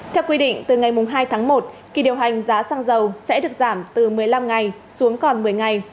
theo quy định từ ngày hai tháng một kỳ điều hành giá xăng dầu sẽ được giảm từ một mươi năm ngày xuống còn một mươi ngày